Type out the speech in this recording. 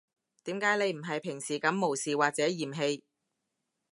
點解你唔係平時噉無視或者嫌棄